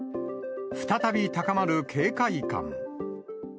再び高まる警戒感。